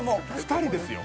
２人ですよ。